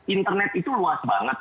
internet itu luas banget